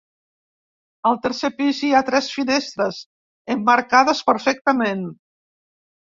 Al tercer pis, hi ha tres finestres emmarcades perfectament.